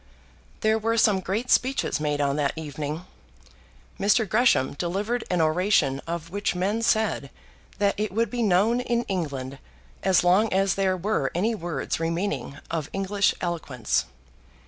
There were some great speeches made on that evening. Mr. Gresham delivered an oration of which men said that it would be known in England as long as there were any words remaining of English eloquence.